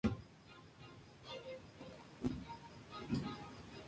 En esta misma cadena ha presentado y codirigido el programa "Separata".